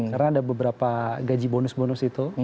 karena ada beberapa gaji bonus bonus itu